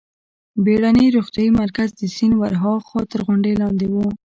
بېړنی روغتیايي مرکز د سیند ورهاخوا تر غونډۍ لاندې و.